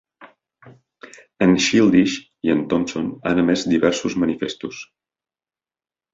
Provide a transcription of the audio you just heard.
En Childish i en Thomson han emès diversos manifestos.